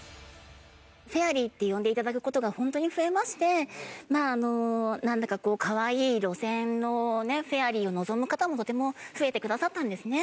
フェアリーって呼んで頂く事がホントに増えましてまああのなんだかこうかわいい路線のフェアリーを望む方もとても増えてくださったんですね。